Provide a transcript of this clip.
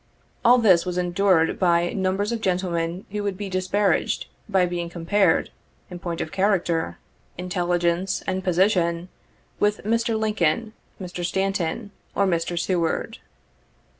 And all this was endured by numbers of gentlemen who would be disparaged by being compared, in point of charac 52 ter, intelligence and position, with Mr. Lincoln, Mr. Stan ton, or Mr. Seward.